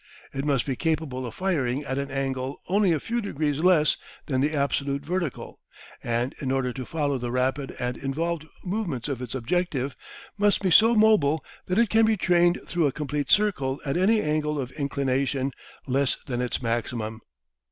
It must be capable of firing at an angle only a few degrees less than the absolute vertical, and in order to follow the rapid and involved movements of its objective, must be so mobile that it can be trained through a complete circle at any angle of inclination less than its maximum.